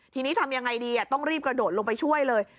ทีนี้ทำยังไงดีต้องรีบกระโดดลงไปช่วยเลย